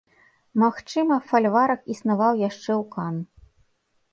Магчыма, фальварак існаваў яшчэ ў кан.